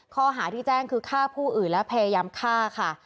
ข้อหาที่แจ้งคือฆ่าผู้อื่นและพยายามฆ่าค่ะ